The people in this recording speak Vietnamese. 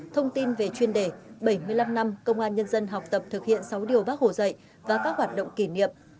thông tin về chuyên đề bảy mươi năm năm công an nhân dân học tập thực hiện sáu điều bác hồ dạy và các hoạt động kỷ niệm